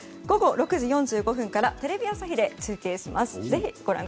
午後６時４５分からテレビ朝日で中継します。